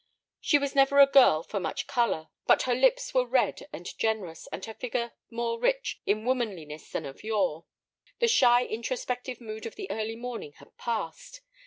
She was never a girl for much color, but her lips were red and generous, and her figure more rich in womanliness than of yore. The shy, introspective mood of the early morning had passed.